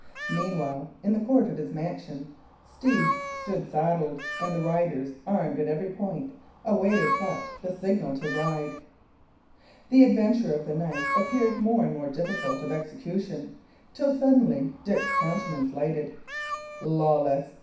Meanwhile, in the court of his mansion, steeds stood saddled, and the riders, armed at every point, awaited but the signal to ride. The adventure of the night appeared more and more difficult of execution, till suddenly Dick's countenance lightened. "Lawless!"